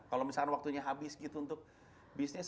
kalau misalnya waktunya habis gitu untuk bisnis